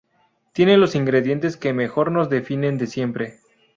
Tiene los ingredientes que mejor nos definen de siempre.